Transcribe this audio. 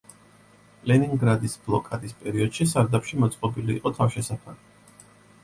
ლენინგრადის ბლოკადის პერიოდში სარდაფში მოწყობილი იყო თავშესაფარი.